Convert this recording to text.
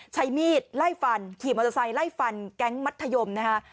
ใช้มีดไล่ฟันขี่มอเตอร์ไซค์ไล่ฟันแก๊งมัธยมนะคะ